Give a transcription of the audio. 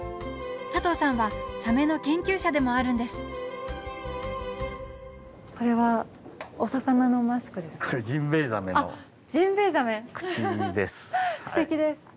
佐藤さんはサメの研究者でもあるんですこれはお魚のマスクですか。